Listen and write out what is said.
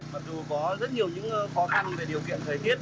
mặc dù có rất nhiều những khó khăn về điều kiện thời tiết